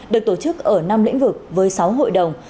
được tổ chức ở năm lĩnh vực với sáu hội đồng